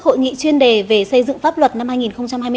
hội nghị chuyên đề về xây dựng pháp luật năm hai nghìn hai mươi bốn